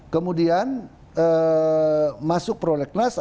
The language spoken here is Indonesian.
kemudian masuk prolegnas